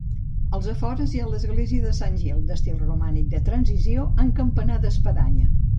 Als afores hi ha l'església de Sant Gil, d'estil romànic de transició amb campanar d'espadanya.